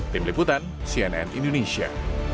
tim liputan cnn indonesia